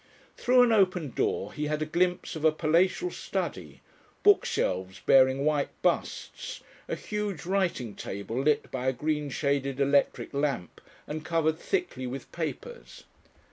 Through an open door he had a glimpse of a palatial study, book shelves bearing white busts, a huge writing table lit by a green shaded electric lamp and covered thickly with papers.